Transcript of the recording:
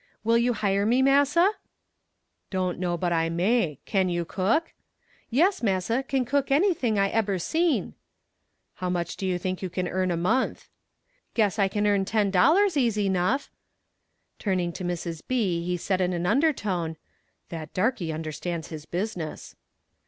Will you hire me, Massa?" "Don't know but I may; can you cook?" "Yes, Massa, kin cook anything I ebber seen." "How much do you think you can earn a month?" "Guess I kin earn ten dollars easy nuff." Turning to Mrs. B. he said in an undertone: "That darkie understands his business."